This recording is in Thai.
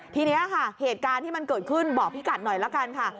ทีนี้ค่ะเหตุการณ์ที่มันเกิดขึ้นบอกพี่กัดหน่อยละกันค่ะ